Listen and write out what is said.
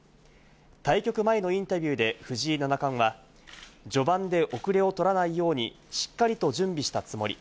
対局前のインタビューで藤井七冠は序盤でおくれを取らないようにしっかりと準備したつもり。